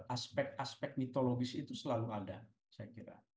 aspek aspek mitologis itu selalu ada saya kira